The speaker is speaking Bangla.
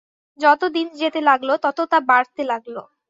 যত দিন যেতে লাগল তত তা বাড়তে লাগল।